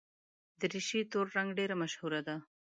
دریشي تور رنګ ډېره مشهوره ده.